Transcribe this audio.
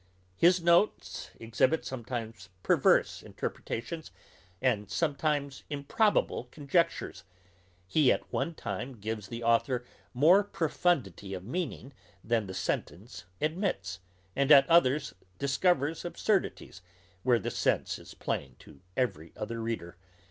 His notes exhibit sometimes perverse interpretations, and sometimes improbable conjectures; he at one time gives the authour more profundity of meaning, than the sentence admits, and at another discovers absurdities, where the sense is plain to every other reader.